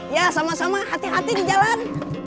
ya sama sama hati hati di jalan